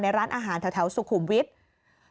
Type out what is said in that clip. ร้านอาหารแถวสุขุมวิทย์